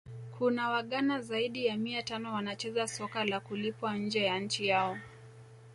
Kuna waghana zaidi ya mia tano wanacheza soka la kulipwa nje ya nchi yao